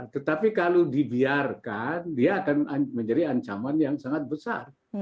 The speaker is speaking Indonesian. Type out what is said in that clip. tetapi kalau dibiarkan dia akan menjadi ancaman yang sangat besar